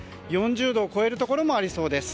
４０度を超えるところもありそうです。